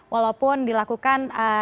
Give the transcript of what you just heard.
walaupun dilakukan tidak berdasarkan kekerasan